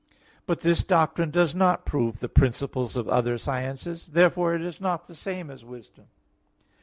vi. But this doctrine does not prove the principles of other sciences. Therefore it is not the same as wisdom.